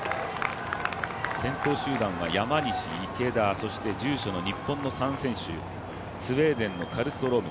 先頭集団は山西、池田、そして住所の日本の３選手、スウェーデンのカルストローム。